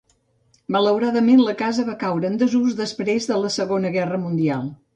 Malauradament, la casa va caure en desús després de la Segona Guerra Mundial.